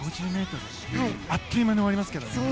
あっという間に終わりますよ。